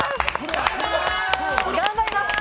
頑張ります。